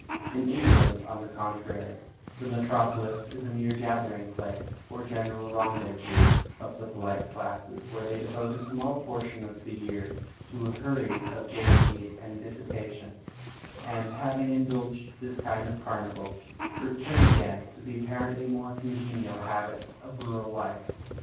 In England, on the contrary, the metropolis is a mere gathering place, or general rendezvous, of the polite classes, where they devote a small portion of the year to a hurry of gayety and dissipation, and, having indulged this kind of carnival, return again to the apparently more congenial habits of rural life.